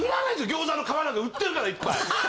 餃子の皮なんか売ってるからいっぱい。